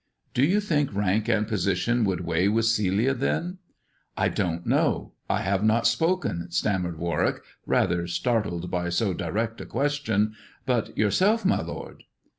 "Do you think rank and position would weigh with Celia, then?" "I don't know. I have not spoken," stammered War wick, rather startled by so direct a question ;but your self, my lord."